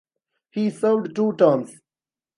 He served two terms.